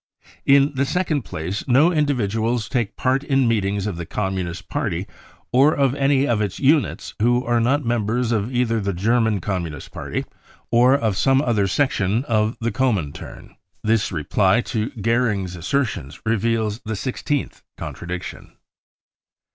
In the second place no individuals take part in meet ings of the Communist Party or of any of its units who are not members either of the German Communist Party or of some other section of the Comintern/ 5 This reply to Goering's assertions reveals the sixteenth contradiction.